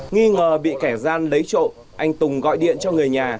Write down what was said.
nghi ngờ bị kẻ gian lấy trộm anh tùng gọi điện cho người nhà